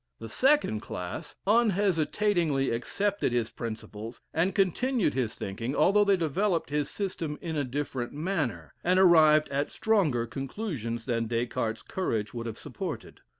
The second class unhesitatingly accepted his principles, and continued his thinking, although they developed his system in a different manner, and arrived at stronger conclusions than Des Cartes's courage would have supported.